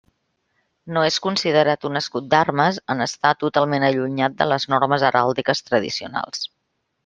No és considerat un escut d'armes en estar totalment allunyat de les normes heràldiques tradicionals.